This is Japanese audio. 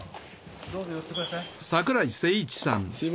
どうぞ寄ってください。